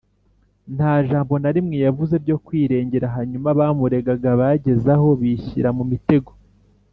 nta jambo na rimwe yavuze ryo kwirengera hanyuma abamuregaga bageze aho bishyira mu mitego,